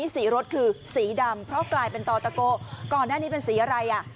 สีรถคือสีดำเพราะกลายเป็นตอตะโก้ก่อนหน้านี้เป็นสีอะไรอ่ะ